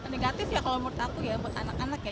negatif ya kalau nomor satu ya buat anak anak ya